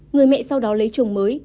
người mẹ sau đó lấy chồng mới